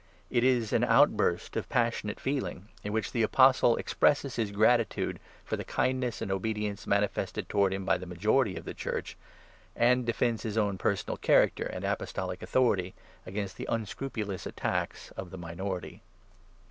It is an outburst of passionate feeling, in which the Apostle expresses his gratitude for the kindness and obedience manifested towards him by the majority of the Church, and defends his own personal character and apostolic authority against the unscrupulous attacks of the minority.